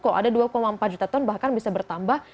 kok ada dua empat juta ton bahkan bisa bertambah